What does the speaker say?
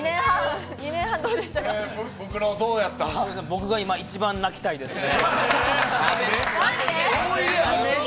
僕が今一番、泣きたいですね。